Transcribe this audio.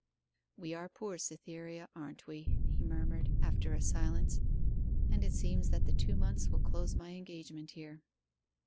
We are poor, Cytherea, aren't we?' he murmured, after a silence, 'and it seems that the two months will close my engagement here.